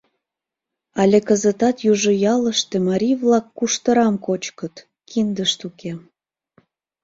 Але кызытат южо ялыште марий-влак куштырам кочкыт, киндышт уке...